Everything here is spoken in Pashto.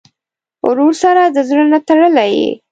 ورور سره د زړه نه تړلې یې.